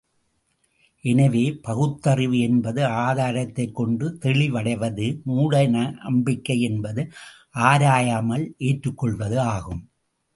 எனவே, பகுத்தறிவு என்பது ஆதாரத்தைக் கொண்டு தெளிவடைவது மூடநம்பிக்கை என்பது ஆராயாமல் ஏற்றுக்கொள்வது ஆகும்.